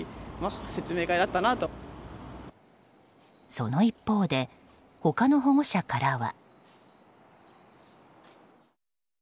その一方で他の保護者からは。